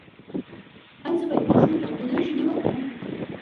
ایا زه باید ماشوم ته پوډري شیدې ورکړم؟